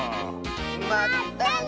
まったね！